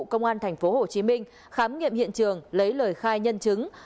công an tp hcm khám nghiệm hiện trường lấy lời khai nhân chứng